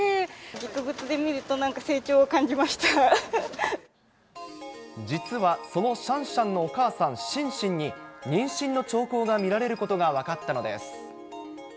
実物で見ると、なんか成長を感じ実はそのシャンシャンのお母さん、シンシンに、妊娠の兆候が見られることが分かったのです。